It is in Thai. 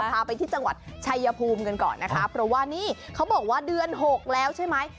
พาไปที่จังหวัดชัยภูมิกันก่อนนะคะเพราะว่านี่เขาบอกว่าเดือนหกแล้วใช่ไหม